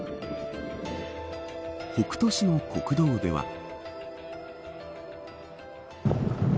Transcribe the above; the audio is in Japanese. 北斗市の国道では。